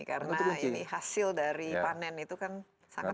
karena ini hasil dari panen itu kan sangat banyak